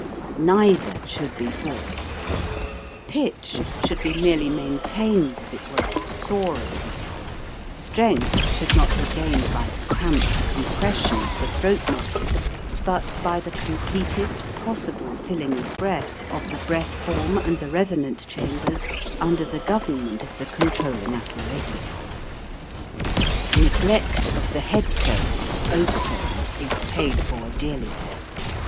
Neither should be forced ; pitch should be merely main tained as it were, soaring; strength should not be gained by cramped compression of the throat muscles but by the completest possible filling with breath of the breath form and the resonance chambers under the government of the controlling apparatus. THE TREMOLO 183 Neglect of the head tones (overtones) is paid for dearly.